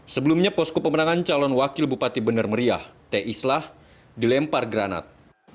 sebelumnya posko pemenangan calon wakil bupati benar meriah t islah dilempar granat